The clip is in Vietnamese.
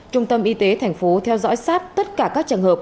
trung tâm y tế tp theo dõi sát tất cả các trường hợp